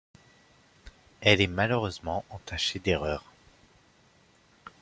Elle est malheureusement entachée d’erreurs.